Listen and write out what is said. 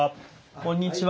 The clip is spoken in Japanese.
こんにちは。